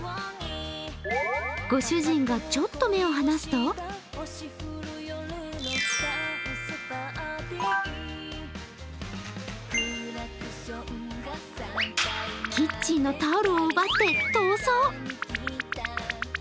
ご主人がちょっと目を離すとキッチンのタオルを奪って逃走。